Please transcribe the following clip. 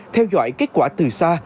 theo dõi kết quả từ xa